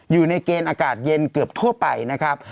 อยู่ในเกณฑ์อากาศเย็นเกือบทั่วไปนะครับ